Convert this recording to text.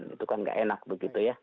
itu kan nggak enak begitu ya